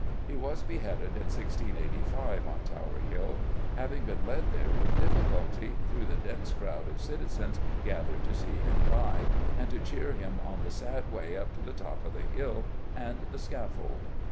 He was beheaded in 1685, on Tower Hill, having been led there with difficulty through the dense crowd of citizens gathered to see him die, and to cheer him on the sad way up to the top of the hill and the scaffold.